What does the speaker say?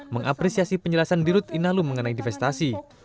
mengapresiasi penjelasan dirut inalum mengenai divestasi